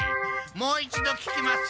もう一度聞きます。